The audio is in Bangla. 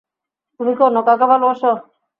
তুমি কি অন্য কাউকে ভালোবাসো?